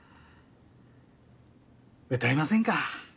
歌いませんか？